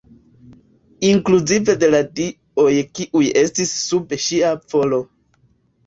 Inkluzive de la dioj kiuj estis sub ŝia volo.